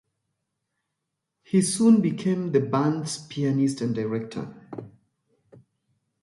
He soon became the band's pianist and director.